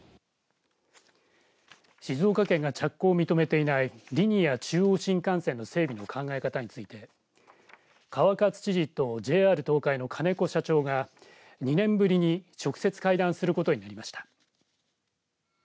静岡県が着工を認めていないリニア中央新幹線の整備の考え方について川勝知事とＪＲ東海の金子社長が２年ぶりに直接会談することになりました。